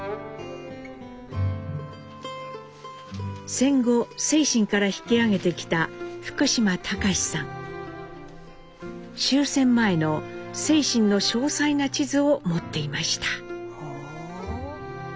戦後清津から引き揚げてきた終戦前の清津の詳細な地図を持っていました。